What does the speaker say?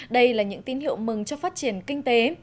đây là những tín hiệu mừng cho phát triển kinh tế